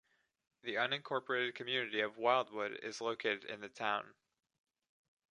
The unincorporated community of Wildwood is located in the town.